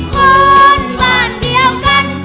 คนบ้านเดียวกัน